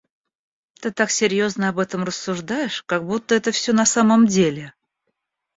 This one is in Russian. Ты так серьёзно об этом рассуждаешь, как будто это всё на самом деле!